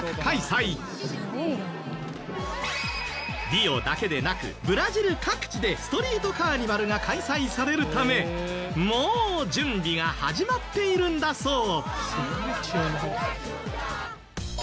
リオだけでなくブラジル各地でストリートカーニバルが開催されるためもう準備が始まっているんだそう。